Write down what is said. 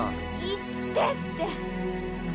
行ってって！